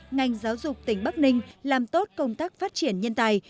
ngành giáo dục tỉnh bắc ninh làm tốt công tác phát triển nhân tài